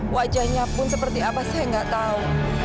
wajahnya pun seperti apa saya gak tau